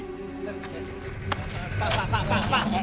pak pak pak pak